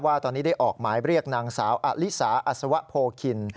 ว่าตอนนี้ได้ออกหมายเรียกนางสาวอลิสาอัศวะโพคิน